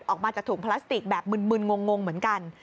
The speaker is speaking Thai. ออกมาจากถุงพลาสติกแบบมึนงงเหมือนกัน